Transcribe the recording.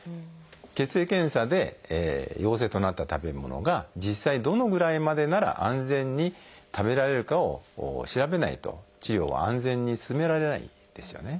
血液検査で陽性となった食べ物が実際どのぐらいまでなら安全に食べられるかを調べないと治療は安全に進められないんですよね。